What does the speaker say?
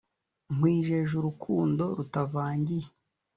nkwijeje urukundo rutavangiyee